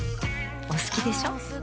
お好きでしょ。